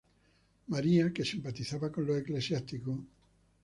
María, que simpatizaba con los eclesiásticos.